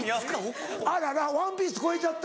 あらら『ＯＮＥＰＩＥＣＥ』超えちゃった。